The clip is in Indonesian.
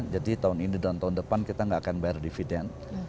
jadi tahun ini dan tahun depan kita gak akan bayar dividen